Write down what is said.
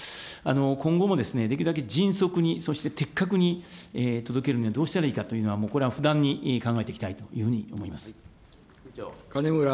今後もできるだけ迅速に、そして的確に届けるにはどうしたらいいかというのは、これは不断に考えていきたいというふうに思います。